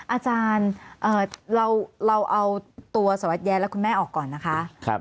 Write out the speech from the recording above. อาจารย์เราเอาตัวสวัสดิแย้และคุณแม่ออกก่อนนะคะ